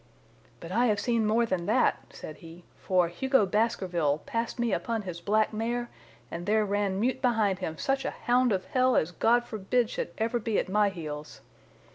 'But I have seen more than that,' said he, 'for Hugo Baskerville passed me upon his black mare, and there ran mute behind him such a hound of hell as God forbid should ever be at my heels.